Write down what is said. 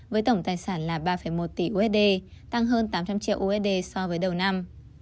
với tổng tài sản là ba một tỷ usd tăng hơn tám trăm linh triệu usd so với đầu năm